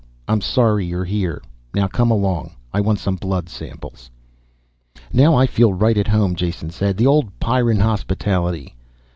I'm sorry you're here. Now come along, I want some blood samples." "Now I feel right at home," Jason said. "The old Pyrran hospitality."